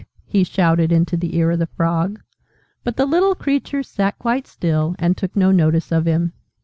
he shouted into the ear of the Frog: but the little creature sat quite still, and took no notice of him.